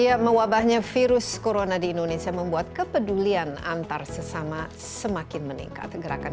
ia mewabahnya virus corona di indonesia membuat kepedulian antarsesama semakin meningkat gerakan